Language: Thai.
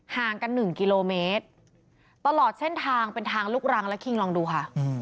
ห่างกัน๑กิโลเมตรตลอดเส้นทางเป็นทางลูกรังแล้วคิงลองดูค่ะ